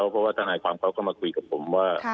เพราะว่าทนายความเขาก็มาคุยกับผมว่า